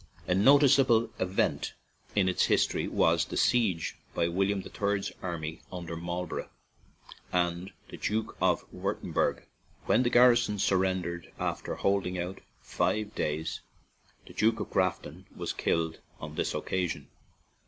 A noticeable event in its history was the siege by William III.'s army under Marl borough and the Duke of Wurtemburg, when the garrison surrendered after hold ing out five days; the Duke of Grafton was killed on this occasion.